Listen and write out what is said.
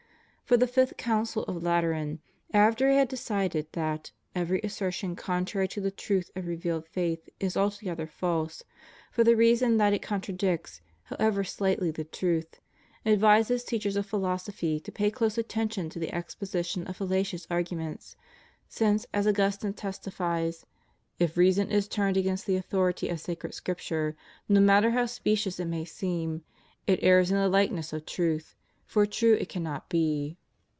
For the fifth Council of Lateran, after it had decided that "every assertion contrary to the truth of revealed faith is altogether false, for the reason that it contradicts, however shghtly, the truth," ' advises teachers of philosophy to pay close attention to the exposition of fallacious arguments; since, as Augus tine testifies, "if reason is turned against the authority of sacred Scripture, no matter how specious it may seem, it errs in the likeness of truth; for true it cannot be."'